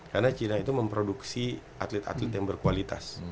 karena china itu memproduksi atlet atlet yang berkualitas